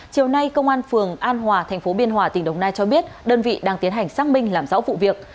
chiều nay công an phường an hòa thành phố biên hòa tỉnh đồng nai cho biết đơn vị đang tiến hành xác minh làm rõ vụ việc